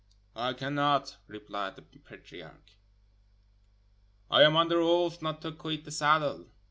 "I cannot," replied the patriarch; "I am under oath not to quit the saddle."